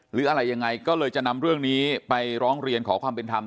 หรืออะไรยังไงก็เลยจะนำเรื่องนี้ไปร้องเรียนขอความเป็นธรรม